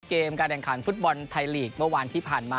การแข่งขันฟุตบอลไทยลีกเมื่อวานที่ผ่านมา